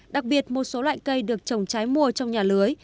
đặc biệt một số loại cây được trồng trái mùa trong nhà lưới